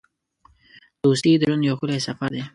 دوستي د ژوند یو ښکلی سفر دی.